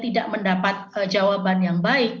tidak mendapat jawaban yang baik